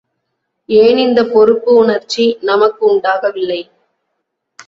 ஏன் இந்தப் பொறுப்பு உணர்ச்சி நமக்கு உண்டாகவில்லை.